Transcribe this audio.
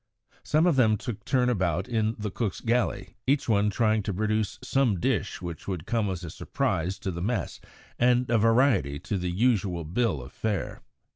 Some of them took turn about in the cook's galley, each one trying to produce some dish which would come as a surprise to the mess and a variety to the usual bill of fare.